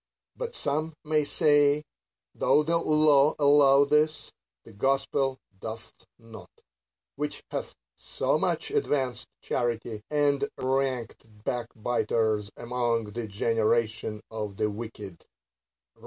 But some may say, though the law allow this, the gospel doth not ; which hath so much advanced charity, and ranked backbiters among the generation of the wicked (Rom.